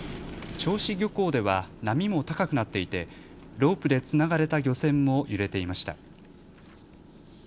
銚子漁港では波も高くなっていてロープでつながれた漁船も揺れていました。